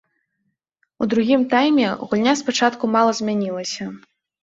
У другім тайме гульня спачатку мала змянілася.